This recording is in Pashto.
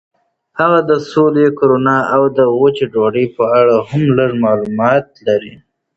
هغه د سولې، کرونا او وچې ډوډۍ په اړه هم لږ معلومات لري.